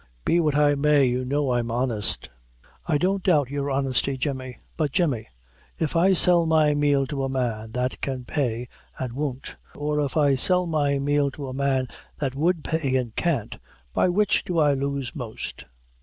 Be what I may, you know I'm honest." "I don't doubt your honesty, Jemmy; but Jemmy, if I sell my meal to a man that can pay and won't, or if I sell my meal to a man that would pay and can't, by which do I lose most?